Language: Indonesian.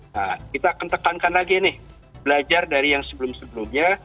nah kita akan tekankan lagi nih belajar dari yang sebelum sebelumnya